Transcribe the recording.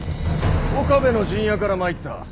岡部の陣屋から参った。